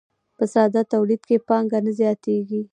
په ساده تولید کې پانګه نه زیاتېږي